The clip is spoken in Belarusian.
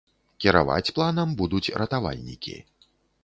Кіраваць планам будуць ратавальнікі.